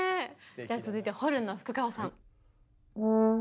じゃあ続いてホルンの福川さん。